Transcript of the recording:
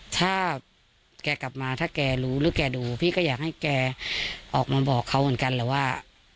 ถ้าแกกลับมาถ้าแกรู้หรือแกดูพี่ก็อยากให้แกออกมาบอกเขาเหมือนกันแหละว่า